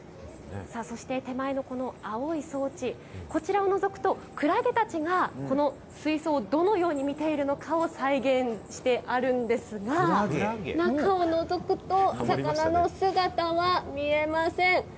そして手前のこの青い装置、こちらをのぞくと、クラゲたちがこの水槽をどのように見ているのかを再現してあるんですが、中をのぞくと、魚の姿は見えません。